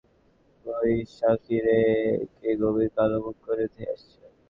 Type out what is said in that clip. সত্যি কিছুক্ষণ পরে দেখতাম, বৈশাখী রেগে গভীর কালো মুখ করে ধেয়ে আসছে।